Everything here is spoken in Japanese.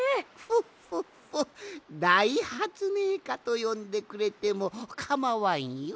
フォッフォッフォだいはつめいかとよんでくれてもかまわんよ。